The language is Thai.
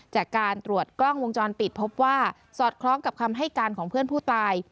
จากการตรวจกล้องวงจรปิดพบว่าสอดคล้องกับคำให้การของเพื่อนผู้ตาย